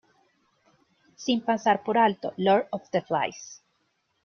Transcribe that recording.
Sin pasar por alto "Lord of the Flies".